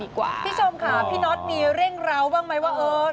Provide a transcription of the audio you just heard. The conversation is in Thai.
พี่สมค่ะพี่นษฎ์มีเร่งราวบ้างไหมว่าเออ